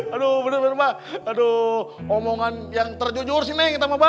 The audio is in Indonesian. aduh bener bener mba aduh omongan yang terjujur si nenek sama mba